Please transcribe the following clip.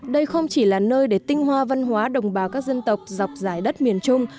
đây không chỉ là nơi để tinh hoa văn hóa đồng bào các dân tộc dọc dài đất miền trung